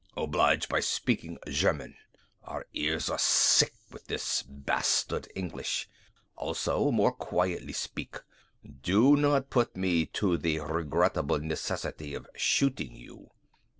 "Oblige by speaking German. Our ears are sick with all this bastard English. Also, more quietly speak. Do not put me to the regrettable necessity of shooting you."